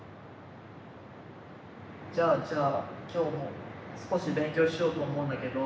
じゃあじゃあ今日も少し勉強しようと思うんだけど。